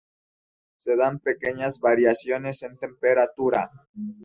Se dan pequeñas variaciones en temperatura.